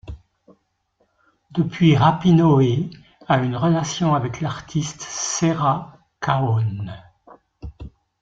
Depuis Rapinoe a une relation avec l'artiste Sera Cahoone.